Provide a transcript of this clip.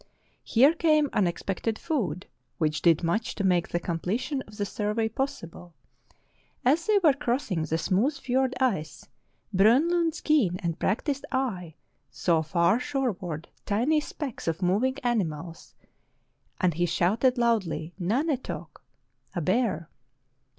Here came unexpected food, which did much to make the completion of the survey possible. As they were crossing the smooth fiord ice, Bronlund's keen and practised eye saw far shoreward tiny specks of moving animals, and he shouted loudly ^' Nanetok I" (A bear!).